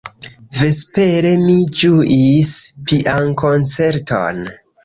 Vespere mi ĝuis piankoncerton.